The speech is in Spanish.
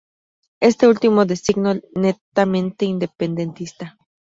Este último de signo netamente independentista.